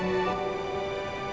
dan gue selalu ada